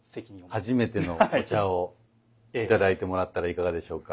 初めてのお茶をいただいてもらったらいかがでしょうか。